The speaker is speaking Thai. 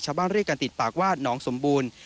เรียกกันติดปากว่าน้องสมบูรณ์